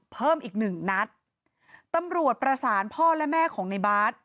เพิ่มอีกหนึ่งนัดตำรวจประสานพ่อและแม่ของในบาร์ด